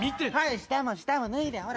下も、下も脱いで、ほら。